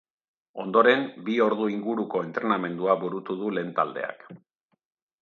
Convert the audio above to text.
Ondoren, bi ordu inguruko entrenamendua burutu du lehen taldeak.